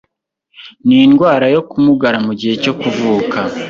Nindwara yo kumugaraMugihe cyo kuvuka